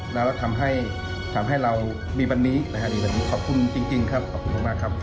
แล้วทำให้เรามีวันนี้ขอบคุณจริงครับขอบคุณมากครับ